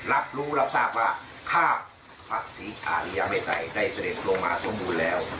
รับรู้รับทราบว่าข้าพระศรีอาริยาเมตรัยได้เสด็จลงมาสมบูรณ์แล้ว